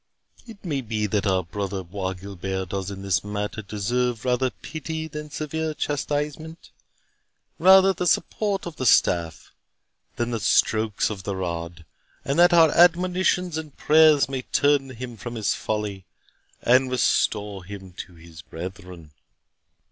It may be that our brother Bois Guilbert does in this matter deserve rather pity than severe chastisement; rather the support of the staff, than the strokes of the rod; and that our admonitions and prayers may turn him from his folly, and restore him to his brethren."